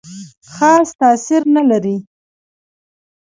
خاص تاثیر نه لري.